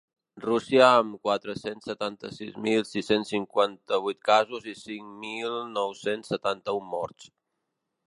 Rússia, amb quatre-cents setanta-sis mil sis-cents cinquanta-vuit casos i cinc mil nou-cents setanta-un morts.